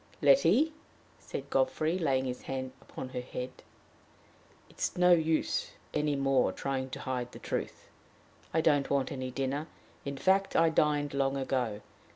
"Letty," said Godfrey, laying his hand on her head, "it is no use any more trying to hide the truth. I don't want any dinner; in fact, I dined long ago.